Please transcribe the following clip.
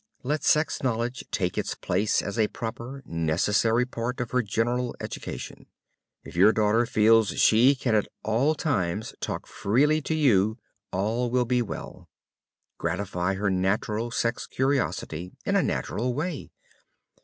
Let sex knowledge take its place as a proper, necessary part of her general education. If your daughter feels she can at all times talk freely to you all will be well. Gratify her natural sex curiosity in a natural way.